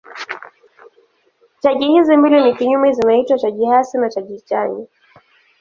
Chaji hizi mbili ni kinyume zinaitwa chaji hasi na chaji chanya.